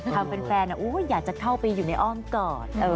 แฟนอยากจะเข้าไปอยู่ในอ้อมกอด